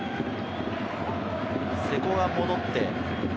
瀬古が戻って。